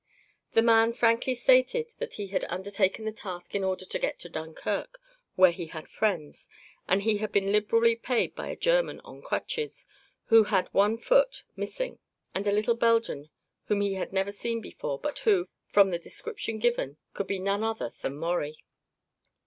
The man frankly stated that he had undertaken the task in order to get to Dunkirk, where he had friends, and he had been liberally paid by a German on crutches, who had one foot missing, and a little Belgian whom he had never seen before, but who, from the description given, could be none other than Maurie.